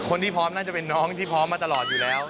พร้อมน่าจะเป็นน้องที่พร้อมมาตลอดอยู่แล้ว